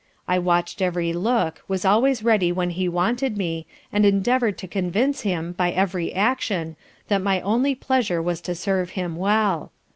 I watched every look, was always ready when he wanted me, and endeavoured to convince him, by every action, that my only pleasure was to serve him well.